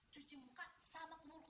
jiragan adekang samin mau bertemu